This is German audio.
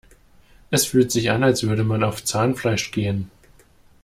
Es fühlt sich an, als würde man auf Zahnfleisch gehen.